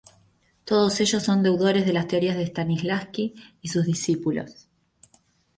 Todos ellos son deudores de las teorías de Stanislavski y sus discípulos.